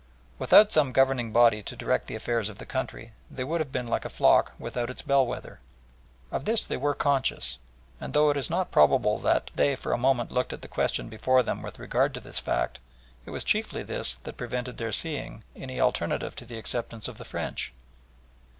Without some governing body to direct the affairs of the country they would have been like a flock without its bellwether. Of this they were conscious, and though it is not probable that they for a moment looked at the question before them with regard to this fact, it was chiefly this that prevented their seeing any alternative to the acceptance of the French.